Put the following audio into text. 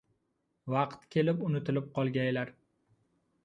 Vaqti kelib unutilib qolgaylar.